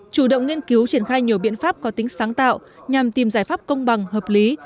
chủ động nghiên cứu triển khai nhiều biện pháp có tính sáng tạo nhằm tìm giải pháp công bằng hợp lý